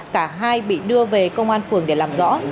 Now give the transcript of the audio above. cả hai bị đưa về công an phường để làm rõ